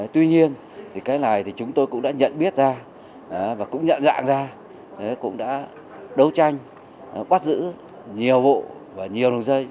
tuy nhiên thì cái này thì chúng tôi cũng đã nhận biết ra và cũng nhận dạng ra cũng đã đấu tranh bắt giữ nhiều vụ và nhiều đường dây